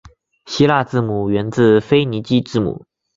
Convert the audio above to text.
希腊字母源自腓尼基字母。